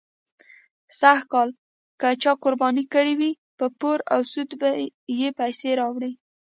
سږکال که چا قرباني کړې وي، په پور او سود یې پیسې راوړې.